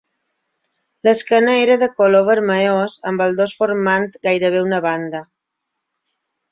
L'esquena era de color vermellós amb el dors formant gairebé una banda.